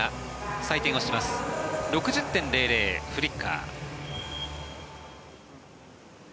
６０．００フリッカー。